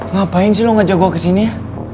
ngapain sih lo ngejo gue kesini ya